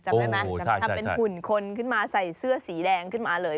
จำได้ไหมทำเป็นหุ่นคนขึ้นมาใส่เสื้อสีแดงขึ้นมาเลย